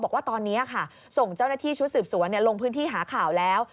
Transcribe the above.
บอกว่าตอนนี้ค่ะส่งเจ้าหน้าที่ชุดสืบสวนลงพื้นที่หาข่าวแล้ว